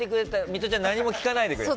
ミトちゃん、何も聞かないでくれ。